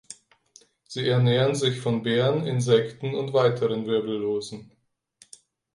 Sie ernähren sich von Beeren, Insekten und weiteren Wirbellosen.